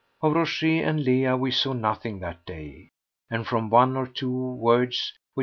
Of Rochez and Leah we saw nothing that day, and from one or two words which M.